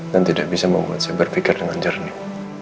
dan tidak bisa membuat saya berpikir dengan jernih